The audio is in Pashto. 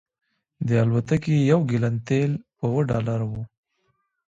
د الوتکې یو ګیلن تیل په اوه ډالره و